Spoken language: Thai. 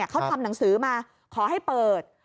เขาทำหนังสือมาขอให้เปิด